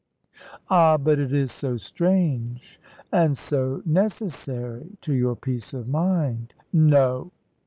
"Ah, but it is so strange!" "And so necessary to your peace of mind." "No!"